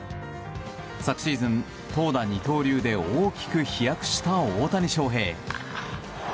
昨シーズン、投打二刀流で大きく飛躍した大谷翔平。